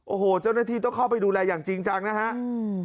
โอ้โหเจ้าหน้าที่ต้องเข้าไปดูแลอย่างจริงจังนะฮะอืม